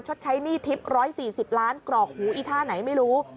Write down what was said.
ใช้หนี้ทิพย์๑๔๐ล้านกรอกหูอีท่าไหนไม่รู้